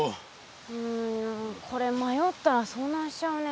うんこれまよったらそうなんしちゃうね。